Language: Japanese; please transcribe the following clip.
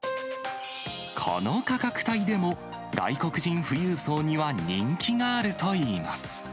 この価格帯でも、外国人富裕層には人気があるといいます。